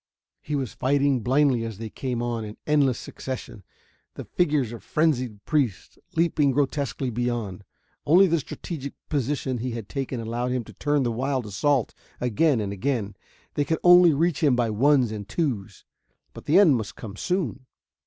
He was fighting blindly as they came on in endless succession, the figures of frenzied priests leaping grotesquely beyond. Only the strategic position he had taken allowed him to turn the wild assault again and again. They could only reach him by ones and twos, but the end must come soon.